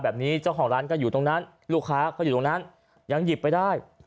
แบบนี้เจ้าของร้านก็อยู่ตรงนั้นลูกค้าเขาอยู่ตรงนั้นยังหยิบไปได้